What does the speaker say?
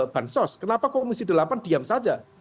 bansos kenapa komisi delapan diam saja